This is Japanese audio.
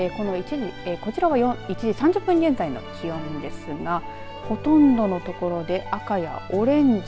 こちらは１時３０分現在の気温ですがほとんどの所で赤やオレンジ。